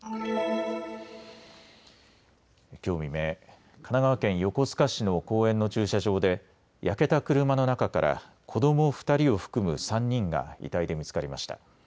きょう未明、神奈川県横須賀市の公園の駐車場で焼けた車の中から子ども２人を含む３人が遺体で見つかりました。